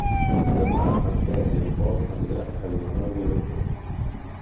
Demà en Pep i en Pol aniran a Vilanova i la Geltrú.